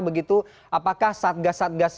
begitu apakah satgas satgas